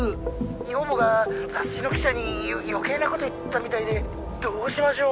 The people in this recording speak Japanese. ☎女房が雑誌の記者に余計なこと言ったみたいで☎どうしましょう